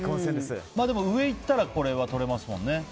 でも、上いったらこれはとれますもんね。